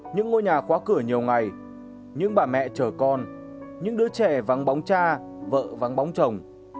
những ngôi nhà khóa cửa nhiều ngày những bà mẹ chở con những đứa trẻ vắng bóng cha vợ vắng bóng chồng